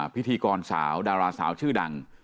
พิธีกรสาวดาราสาวชื่อดัง